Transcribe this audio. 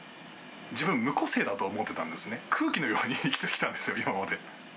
自分、無個性だと思ってたんですね、空気のように生きてきたんですよ、今まで。